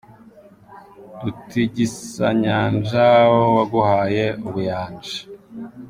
Rutigisanyanja waguhaye ubuyanja